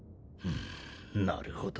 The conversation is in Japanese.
なるほど。